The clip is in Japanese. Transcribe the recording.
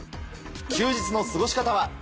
休日の過ごし方は？